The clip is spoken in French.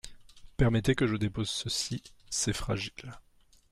Permettez que je dépose ceci, c’est fragile.